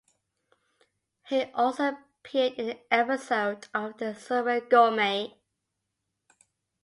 He also appeared in an episode of "The Surreal Gourmet".